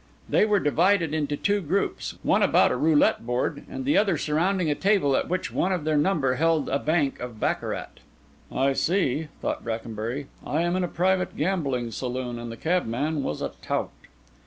They were divided into two groups, one about a roulette board, and the other surrounding a table at which one of their number held a bank of baccarat. "I see," thought Brackenbury, "I am in a private gambling saloon, and the cabman was a tout."